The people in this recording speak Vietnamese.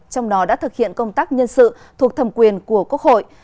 trong đó đã thực hiện công tác nhân sự thuộc thẩm quyền của quốc hội